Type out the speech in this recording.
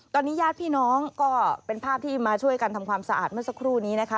ตอนนี้ญาติพี่น้องก็เป็นภาพที่มาช่วยกันทำความสะอาดเมื่อสักครู่นี้นะคะ